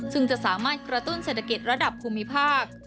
ซึ่งจะสามารถกระตุ้นเศรษฐกิจระดับภูมิภาค